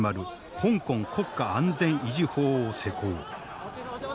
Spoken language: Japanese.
「香港国家安全維持法」を施行。